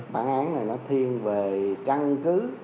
bản án này nó thiên về căn cứ